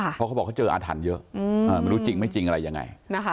เพราะเขาบอกเขาเจออาถรรพ์เยอะไม่รู้จริงไม่จริงอะไรยังไง